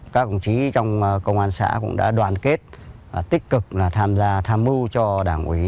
các đồng chí trong công an xã cũng đã đoàn kết tích cực là tham gia tham mưu cho đảng ủy